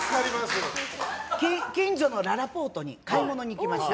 近所のららぽーとに買い物に行きました。